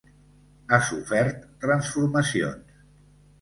Ha sofert transformacions.